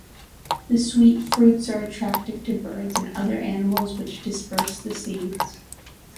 The sweet fruits are attractive to birds and other animals which disperse the seeds.